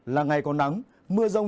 là ngày có nắng mưa rông